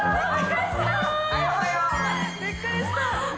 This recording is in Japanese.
びっくりした。